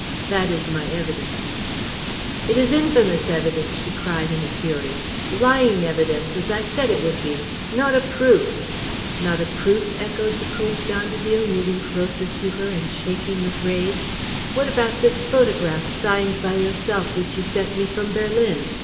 That is my evidence." "It is infamous evidence!" she cried, in a fury. "Lying evidence, as I said it would be! Not a proof!" "Not a proof?" echoed the Comte d'Andeville, moving closer to her and shaking with rage. "What about this photograph, signed by yourself, which you sent me from Berlin?